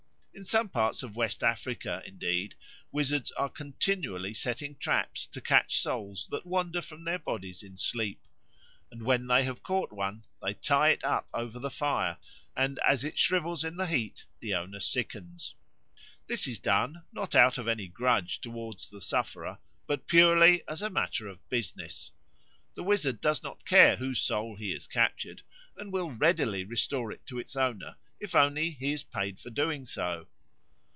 In some parts of West Africa, indeed, wizards are continually setting traps to catch souls that wander from their bodies in sleep; and when they have caught one, they tie it up over the fire, and as it shrivels in the heat the owner sickens. This is done, not out of any grudge towards the sufferer, but purely as a matter of business. The wizard does not care whose soul he has captured, and will readily restore it to its owner, if only he is paid for doing so.